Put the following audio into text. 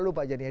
lupa jadi ya